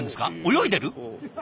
泳いでる？